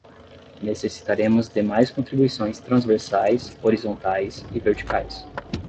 Necessitaremos de mais contribuições transversais, horizontais e verticais